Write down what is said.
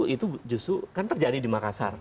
itu justru kan terjadi di makassar